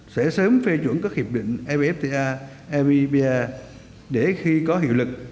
sẽ sớm phê chuẩn các hiệp định evfta evipa để khi có hiệu lực